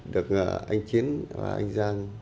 được anh chiến và anh giang